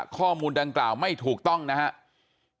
ข้อมูลดังกล่าวไม่ถูกต้องนะครับ